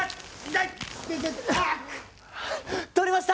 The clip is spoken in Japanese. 取れました！